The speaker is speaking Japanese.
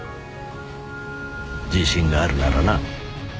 自信があるならな。